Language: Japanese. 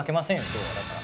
今日はだから。